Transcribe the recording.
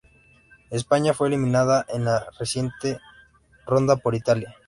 España fue eliminada en la siguiente ronda por Italia.